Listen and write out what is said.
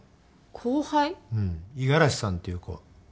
うん五十嵐さんっていう子。